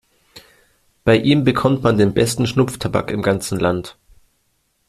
Bei ihm bekommt man den besten Schnupftabak im ganzen Land.